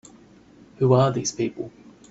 Who are these people?